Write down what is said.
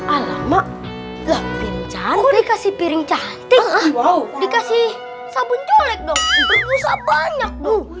alamak lancar dikasih piring cantik dikasih sabun colek banyak